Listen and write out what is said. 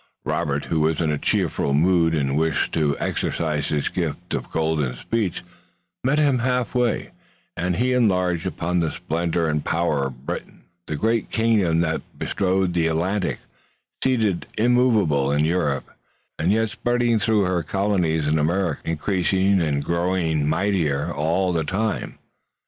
Robert, who was in a cheerful mood and who wished to exercise his gift of golden speech, met him half way, and enlarged upon the splendor and power of Britain, the great kingdom that bestrode the Atlantic, seated immovable in Europe, and yet spreading through her colonies in America, increasing and growing mightier all the time.